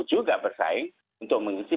juga bersaing untuk mengisi